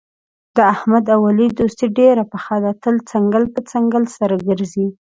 د احمد او علي دوستي ډېره پخه ده، تل څنګل په څنګل سره ګرځي.